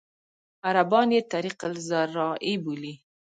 عربان یې طریق الزراعي بولي.